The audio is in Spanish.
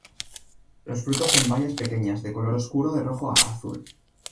Los frutos son bayas pequeñas de color oscuro de rojo a azul.